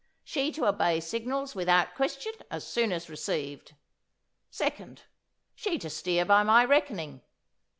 She to obey signals without question as soon as received."' '"Second. She to steer by my reckoning."